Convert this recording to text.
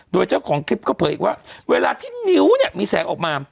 โดยเจ้าของคลิปเขาเผยอีกว่าเวลาที่นิ้วเนี่ยมีแสงออกมา